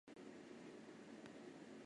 开口比较宽